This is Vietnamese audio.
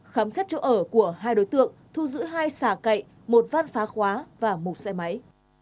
khám xét chỗ ở của hai đối tượng thu giữ hai xà cậy một van phá khóa và một xe máy